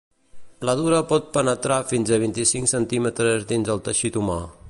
La dura pot penetrar fins a vint-i-cinc centímetres dins del teixit humà.